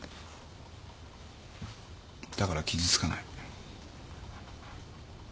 だから傷つかない。